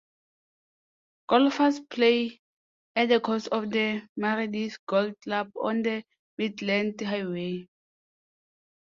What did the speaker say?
Golfers play at the course of the Meredith Golf Club on the Midland Highway.